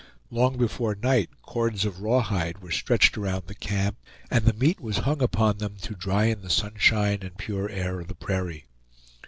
Long before night cords of raw hide were stretched around the camp, and the meat was hung upon them to dry in the sunshine and pure air of the prairie.